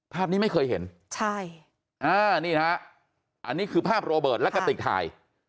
ภาพนี้ไม่เคยเห็นใช่อ่านี่นะฮะอันนี้คือภาพโรเบิร์ตและกะติกถ่าย